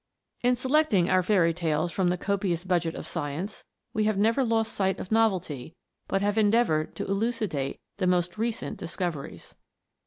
In selecting our faiiy tales from the copious budget of science, we have never lost sight of novelty, but have endeavoured to elucidate the most recent discoveries.